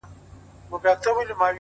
د کوڅې ورو تګ د فکر سرعت کموي.!